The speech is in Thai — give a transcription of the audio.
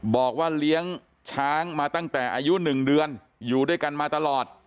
บอกว่าเลี้ยงช้างมาตั้งแต่อายุ๑เดือนอยู่ด้วยกันมาตลอด